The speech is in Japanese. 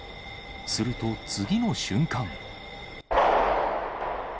すると次の瞬間。